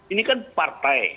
ini kan partai